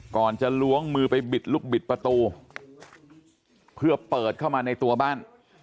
ก่อนจะล้วงมือไปบิดลูกบิดประตูเพื่อเปิดเข้ามาในตัวบ้าน